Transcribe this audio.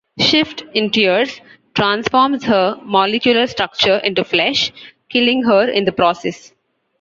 Shift, in tears, transforms her molecular structure into flesh, killing her in the process.